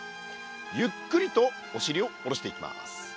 ゆっくりとおしりを下ろしていきます。